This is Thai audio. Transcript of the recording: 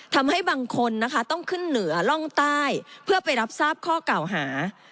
ทำให้บางคนนะคะต้องขึ้นเหนือร่องใต้เพื่อไปรับทราบข้อเก่าหา